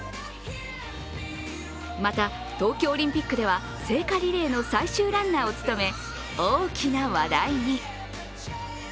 また、東京オリンピックでは聖火リレーの最終ランナーを務め大きな話題に。